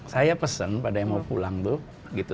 saya pesen pada yang mau pulang tuh gitu